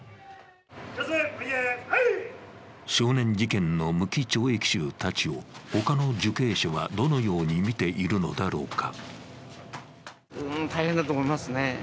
少年事件の無期懲役囚たちを他の受刑者はどのように見ているのだろうか。